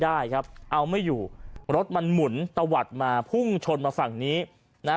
ได้ครับเอาไม่อยู่รถมันหมุนตะวัดมาพุ่งชนมาฝั่งนี้นะฮะ